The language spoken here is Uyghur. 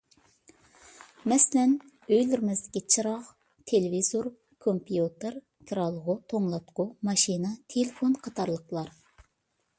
مەسىلەن، ئۆيلىرىمىزدىكى چىراغ، تېلېۋىزور، كومپيۇتېر، كىرئالغۇ، توڭلاتقۇ، ماشىنا، تېلېفون قاتارلىقلار.